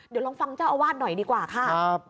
เดี๋ยวลองฟังเจ้าอาวาสหน่อยดีกว่าค่ะ